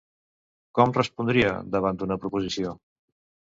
Com respondria davant d'una proposició?